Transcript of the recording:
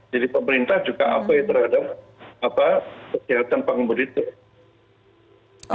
jadi pemerintah juga apa yang terhadap kekejatan pengembudin